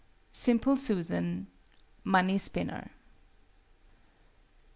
SIMPLE SUSAN. MONEY SPINNER.